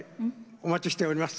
お待ちしております。